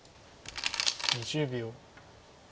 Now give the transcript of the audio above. ２０秒。